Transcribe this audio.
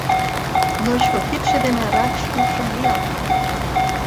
Ночко кидше дене ракш ӱпшым ниялта.